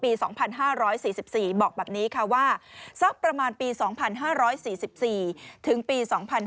ปี๒๕๔๔บอกแบบนี้ค่ะว่าสักประมาณปี๒๕๔๔ถึงปี๒๕๕๙